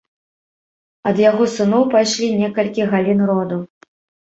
Ад яго сыноў пайшлі некалькі галін роду.